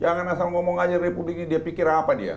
jangan asal ngomong aja republik ini dia pikir apa dia